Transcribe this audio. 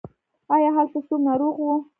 ایا هلته څوک ناروغ و؟